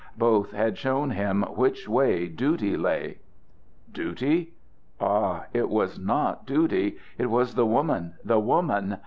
Both had shown him which way duty lay. Duty? Ah! it was not duty. It was the woman, the woman!